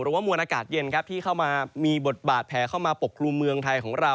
ว่ามวลอากาศเย็นครับที่เข้ามามีบทบาทแผลเข้ามาปกครุมเมืองไทยของเรา